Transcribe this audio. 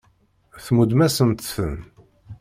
Tmuddem-asent-ten.